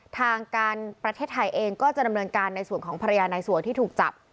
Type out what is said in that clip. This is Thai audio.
ทางการประเทศไทยเองก็จะดำเนินการในส่วนของภรรยานายสัวที่ถูกจับ